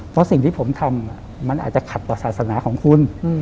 เพราะสิ่งที่ผมทำมันอาจจะขัดต่อศาสนาของคุณ